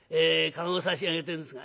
駕籠を差し上げてるんですが」。